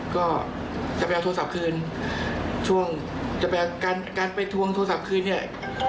ก็จะไปเอาโทรศัพท์คืนช่วงจะไปเอาการการไปทวงโทรศัพท์คืนเนี่ย